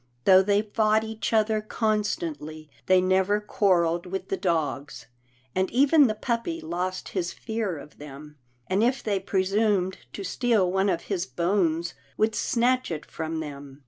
Though they fought each other constantly, they never quarrelled with the dogs, and even the puppy lost his fear of them, and if they presumed to steal one of his bones, would snatch it from them.